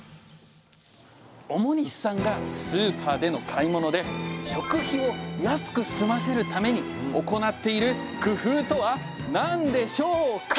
表西さんがスーパーでの買い物で食費を安くすませるために行っている工夫とは何でしょうか？